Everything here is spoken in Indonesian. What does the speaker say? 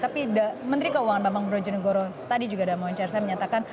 tapi menteri keuangan bambang brojonegoro tadi juga dalam wawancara saya menyatakan